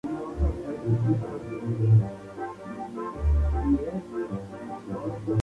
Se encuentran en África: Costa de Marfil, Togo y Ghana.